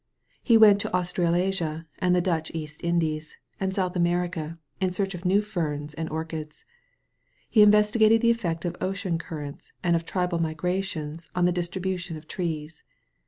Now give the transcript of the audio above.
He went to Australasia and the Dutch East Indies and South America in search of new ferns and orchids. He investigated the eflFect of ocean currents and of tribal migrations in the distribu tion of trees.